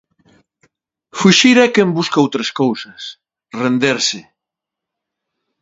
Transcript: Fuxir é quen busca outras cousas; renderse.